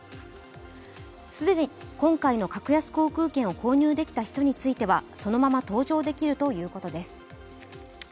既に今回の格安航空券を購入できた人についてはそのまま搭乗できるということです。